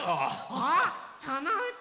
あっそのうた